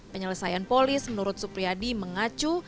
penyelesaian polis menurut supriyadi mengacu